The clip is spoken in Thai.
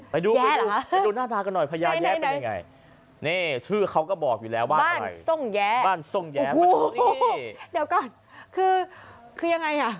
ไม่ต้องพ่ายแพ้พญาแย๊ตัวนี้